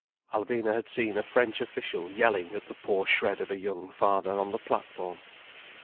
Alvina had seen a French official yelling at the poor shred of a young father on the platform.